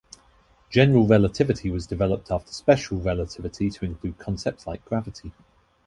General relativity was developed after special relativity to include concepts like gravity.